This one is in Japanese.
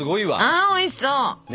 あおいしそう！